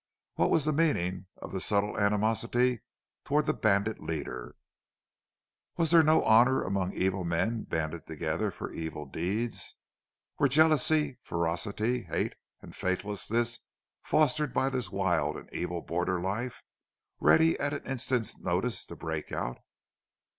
What was the meaning of the subtle animosity toward the bandit leader? Was there no honor among evil men banded together for evil deeds? Were jealousy, ferocity, hate and faithlessness fostered by this wild and evil border life, ready at an instant's notice to break out?